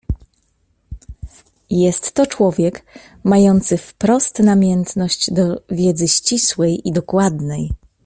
"Jest to człowiek, mający wprost namiętność do wiedzy ścisłej i dokładnej."